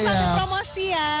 ini lagi promosi ya